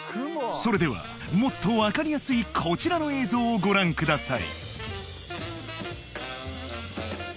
それではもっとわかりやすいこちらの映像をご覧ください